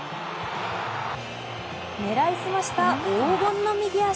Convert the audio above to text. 狙いすました黄金の右足！